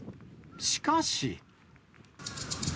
しかし。